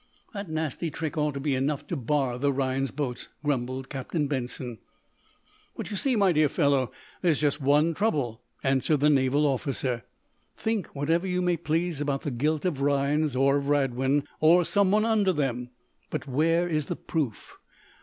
"That nasty trick ought to be enough to bar the Rhinds boats," grumbled Captain Benson. "But, you see, my dear fellow, there's just one trouble," answered the naval officer. "Think whatever you may please about the guilt of Rhinds, or of Radwin, or some one under them, but where's the proof.